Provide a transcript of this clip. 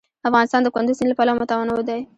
افغانستان د کندز سیند له پلوه متنوع دی.